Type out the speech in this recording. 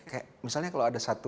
kayak misalnya kalau ada satu